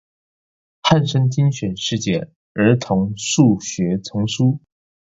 漢聲精選世界兒童數學叢書